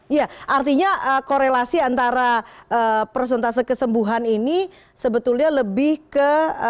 iya artinya korelasi antara prosentase kesembuhan ini sebetulnya lebih ke